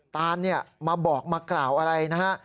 ตานเนี่ยมาบอกมากล่าวอะไรนะฮะ